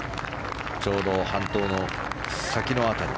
ちょうど半島の先の辺り。